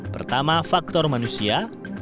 pertama faktor manusia